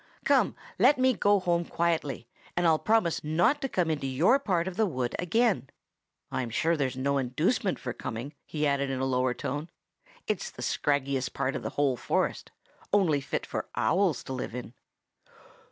Come, let me go home quietly, and I'll promise not to come into your part of the wood again. "I'm sure, there's no inducement for coming," he added in a lower tone. "It's the scraggiest part of the whole forest,—only fit for owls to live in!"